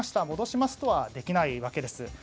戻しますとはできないわけです。